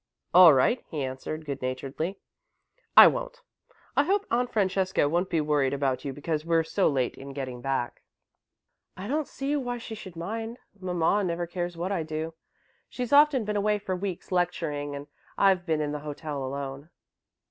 "All right," he answered, good naturedly. "I won't. I hope Aunt Francesca won't be worried about you because we're so late in getting back." "I don't see why she should mind. Mamma never cares what I do. She's often been away for weeks, lecturing, and I've been in the hotel alone."